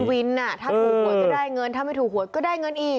วินถ้าถูกหวยก็ได้เงินถ้าไม่ถูกหวยก็ได้เงินอีก